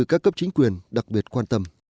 các cấp chính quyền đặc biệt quan tâm